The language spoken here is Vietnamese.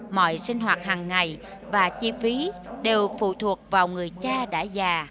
mọi sinh hoạt hàng ngày và chi phí đều phụ thuộc vào người cha đã già